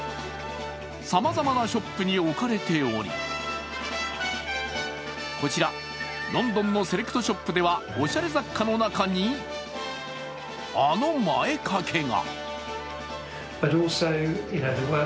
さまざまなショップに置かれており、こちらロンドンのセレクトショップではおしゃれ雑貨の中にあの前掛けが。